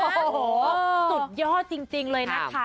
โอ้โหสุดยอดจริงเลยนะคะ